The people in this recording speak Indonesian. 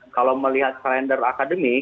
kalau melihat kalender akademik